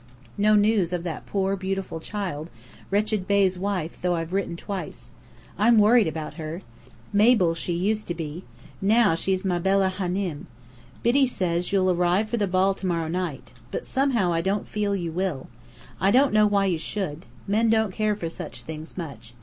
No news of that poor, beautiful child, Wretched Bey's wife though I've written twice. I'm worried about her. Mabel she used to be. Now she's Mabella Hânem! Biddy says you'll arrive for the ball to morrow night. But somehow I don't feel you will. I don't know why you should. Men don't care for such things much.